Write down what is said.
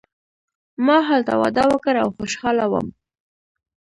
ما هلته واده وکړ او خوشحاله وم.